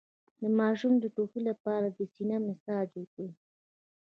د ماشوم د ټوخي لپاره د سینه مساج وکړئ